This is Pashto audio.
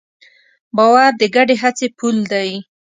باور د ګډې هڅې پُل دی.